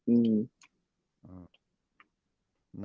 อืม